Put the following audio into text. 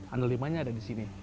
andaliman ada di sini